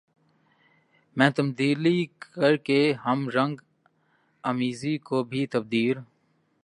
میں تبدیلی کر کے ہم رنگ آمیزی کو بھی تبدیل